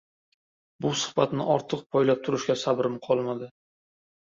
Bu suhbatni ortiq poylab turishga sabrim qolmadi